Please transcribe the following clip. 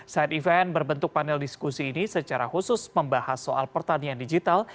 side event berbentuk panel diskusi ini secara khusus membahas soal pertanian digital